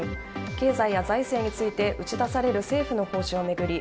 経済や財政について打ち出される政府の方針を巡り